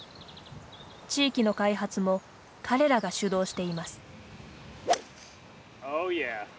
地域の開発も彼らが主導しています。